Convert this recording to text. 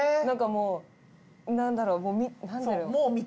何かもう何だろう。